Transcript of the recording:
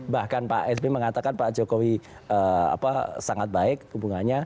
bahkan pak sby mengatakan pak jokowi sangat baik hubungannya